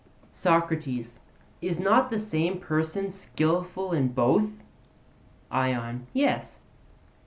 SOCRATES: Is not the same person skilful in both? ION: Yes.